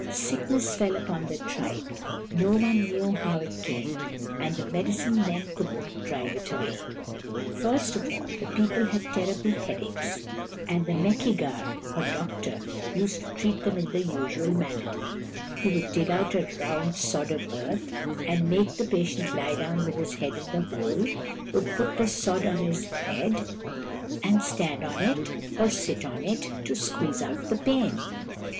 Sickness fell upon the tribe. No one knew how it came, and the medicine men could not drive it away. First of all, the people had terrible head aches, and the Meki gar, or doctor, used to treat them in the usual manner — he would dig out a round sod of earth and, making the patient lie down with his head in the hole, would put the sod on his head, and stand on it, or sit on it, to squeeze out the pain.